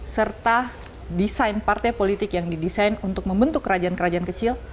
serta desain partai politik yang didesain untuk membentuk kerajaan kerajaan kecil